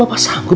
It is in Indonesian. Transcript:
bapak kan kerja